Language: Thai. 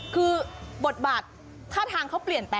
คือบทบาทท่าทางเขาเปลี่ยนแปลง